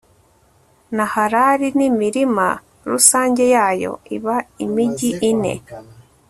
nahalali n'imirima rusange yayo: iba imigi ine